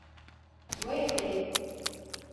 و يې ويل.